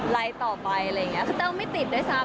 ไลค์ต่อไปอะไรอย่างนี้แต่ว่าไม่ติดด้วยซ้ำ